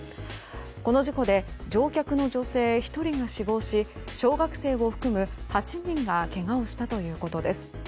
この事故で乗客の女性１人が死亡し小学生を含む８人がけがをしたということです。